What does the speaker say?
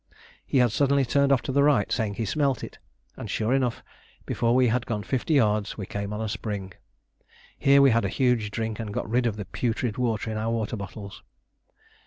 He had suddenly turned off to the right, saying he smelt it, and sure enough before we had gone fifty yards we came on a spring. Here we had a huge drink and got rid of the putrid water in our water bottles.